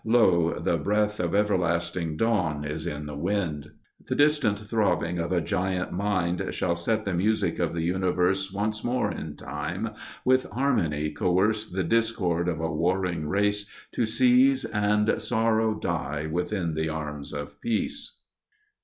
Lo! the breath Of everlasting dawn is in the wind; The distant throbbing of a giant Mind Shall set the music of the Universe Once more in time with harmony coerce The discord of a warring race to cease And sorrow die within the arms of peace.